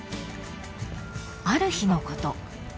［ある日のこと］